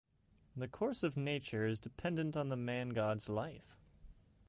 The course of nature is dependent on the man-god's life.